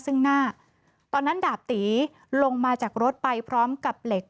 ซึ่งหน้าตอนนั้นดาบตีลงมาจากรถไปพร้อมกับเหล็ก